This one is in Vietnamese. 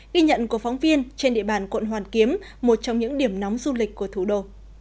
ghi nhận của phóng viên trên địa bàn quận hoàn kiếm một trong những điểm nóng du lịch của thủ đô